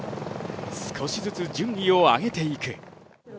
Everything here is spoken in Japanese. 少しずつ順位を上げていく。